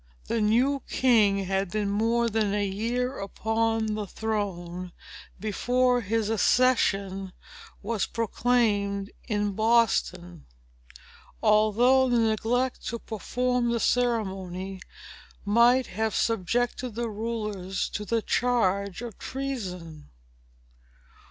The new king had been more than a year upon the throne before his accession was proclaimed in Boston; although the neglect to perform the ceremony might have subjected the rulers to the charge of treason.